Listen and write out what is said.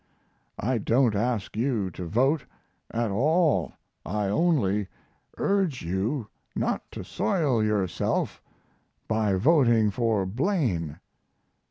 I don't ask you to vote at all. I only urge you not to soil yourself by voting for Blaine....